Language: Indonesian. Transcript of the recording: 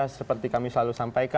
seperti kami selalu sampaikan